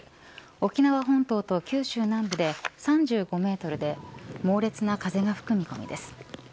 沖縄本島と九州南部で３５メートルで猛烈な風が吹く見込みです。